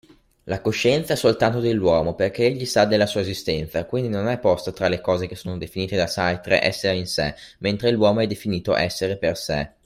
La coscienza è soltanto dell'uomo perché egli sa della sua esistenza, quindi non è posta tra le cose che sono definite da Sartre “essere in se”, mentre l'uomo è definito “essere per se”.